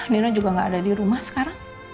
nino juga nggak ada di rumah sekarang